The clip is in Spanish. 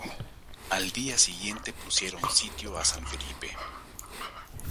Al día siguiente pusieron sitio a San Felipe.